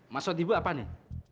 maksud ibu apa nih